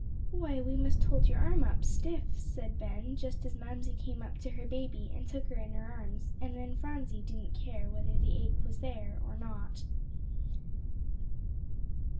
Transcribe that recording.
"Why, we must hold your arm up stiff," said Ben, just as Mamsie came up to her baby, and took her in her arms; and then Phronsie didn't care whether the ache was there or not.